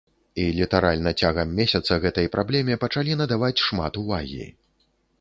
І літаральна цягам месяца гэтай праблеме пачалі надаваць шмат увагі.